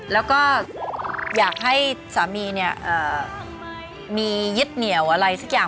แล้วก็อยากให้สามีเนี่ยมียึดเหนียวอะไรสักอย่าง